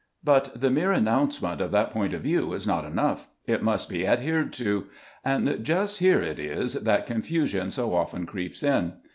But the mere announcement of that point of view is not enough. It must be ad hered to. And just here it is that confusion so often creeps in.